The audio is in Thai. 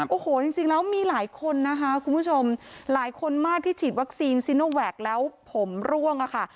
โอ้โหจริงแล้วมีหลายคนนะคะคุณผู้ชมหลายคนมากที่ฉีดวัคซีนซีโนแวคแล้วผมร่วงอะค่ะ